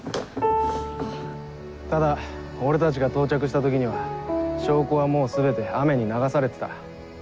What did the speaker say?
ただ俺たちが到着した時には証拠はもう全て雨に流されてた。